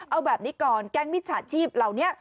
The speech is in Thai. เอาแบบนี้ก่อนแก๊งมิจฉาชีพเหล่านี้